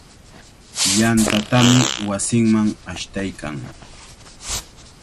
Yantatami wasinman ashtaykan.